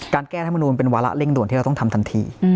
แก้รัฐมนูลเป็นวาระเร่งด่วนที่เราต้องทำทันที